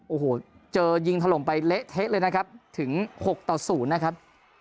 โอ้โหเจอยิงถล่มไปเละเทะเลยนะครับถึง๖ต่อ๐นะครับ